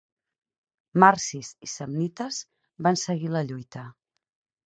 Marsis i samnites van seguir la lluita.